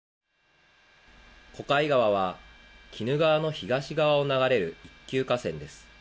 小貝川は鬼怒川の東側を流れる一級河川です。